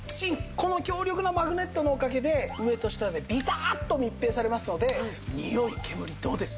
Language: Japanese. この強力なマグネットのおかげで上と下でビターッと密閉されますのでにおい煙どうです？